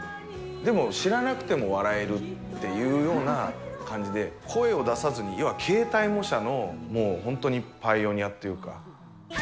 でも、知らなくても笑えるっていうような感じで、声を出さずに、要は形態模写の本当にパイオニアっていうか。